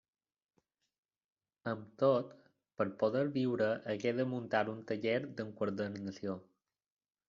Amb tot, per poder viure hagué de muntar un taller d'enquadernació.